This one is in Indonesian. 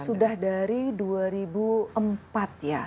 sudah dari dua ribu empat ya